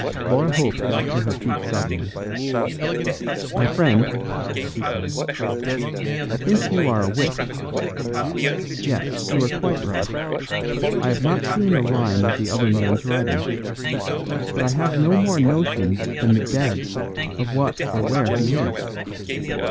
Laura Hope got to her feet suddenly. "My friend," she said, "I think you are a witch. Yes, you are quite right. I have not seen a line of the other man's writing; and I have no more notion than the dead of what or where he is.